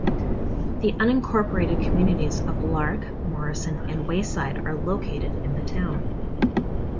The unincorporated communities of Lark, Morrison, and Wayside are located in the town.